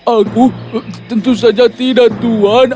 aku tentu saja tidak tuhan